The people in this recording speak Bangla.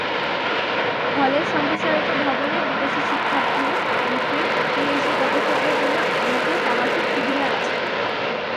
হলের সম্প্রসারিত ভবনে বিদেশি শিক্ষার্থী, এমফিল ও পিএইচডি গবেষকদের জন্য বিশেষ আবাসিক সুবিধা আছে।